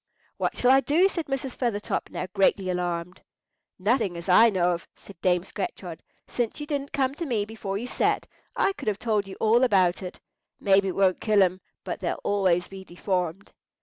"What shall I do?" said Mrs. Feathertop, now greatly alarmed. "Nothing, as I know of," said Dame Scratchard, "since you didn't come to me before you sat. I could have told you all about it. Maybe it won't kill 'em, but they'll always be deformed."